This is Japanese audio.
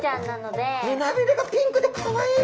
胸びれがピンクでかわいい！